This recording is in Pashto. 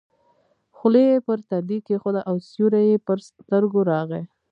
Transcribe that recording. خولۍ یې پر تندي کېښوده او سیوری یې پر سترګو راغی.